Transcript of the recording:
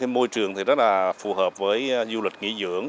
môi trường thì rất là phù hợp với du lịch nghỉ dưỡng